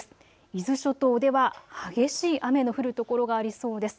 伊豆諸島では激しい雨の降る所がありそうです。